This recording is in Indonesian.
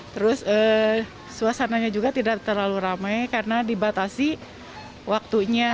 terus suasananya juga tidak terlalu ramai karena dibatasi waktunya